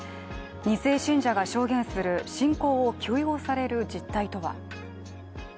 ２世信者が証言する信仰を強要される実態とは。